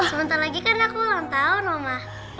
sebentar lagi kan aku ulang tahun mama